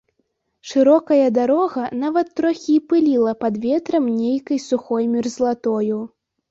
Шырокая дарога нават трохі і пыліла пад ветрам нейкай сухой мерзлатою.